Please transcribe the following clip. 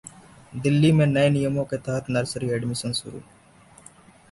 दिल्ली में नए नियमों के तहत नर्सरी एडमिशन शुरू